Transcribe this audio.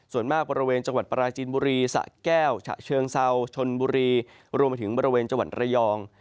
ส่วนมากบริเวณจังหวัดปราจีนบุรีสะแก้วฉะเชิงเซาชนบุรีรวมไปถึงบริเวณจังหวัดระยอง